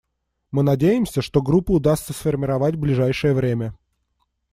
Мы надеемся, что Группу удастся сформировать в ближайшее время.